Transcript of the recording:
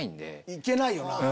行けないよなぁ。